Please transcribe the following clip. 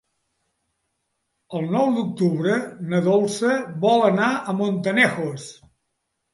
El nou d'octubre na Dolça vol anar a Montanejos.